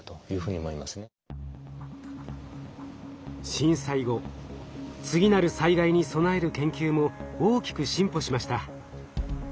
震災後次なる災害に備える研究も大きく進歩しました。